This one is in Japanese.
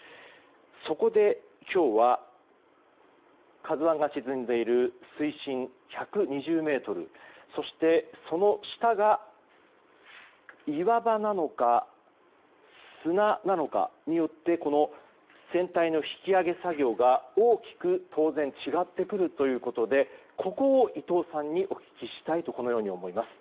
そこで、今日は「ＫＡＺＵ１」が沈んでいる水深１２０ｍそして、その下が岩場なのか砂なのかによってこの船体の引き揚げ作業が大きく当然違ってくるということでここを伊藤さんにお聞きしたいと思います。